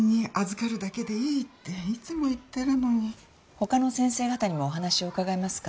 他の先生方にもお話を伺えますか？